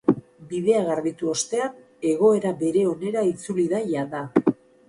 Bidea garbitu ostean, egoera bere onera itzuli da jada.